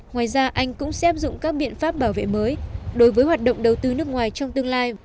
ngoài ra anh cũng sẽ áp dụng các biện pháp bảo vệ mới đối với hoạt động đầu tư nước ngoài trong tương lai